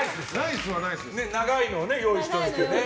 長いのを用意しておいてね。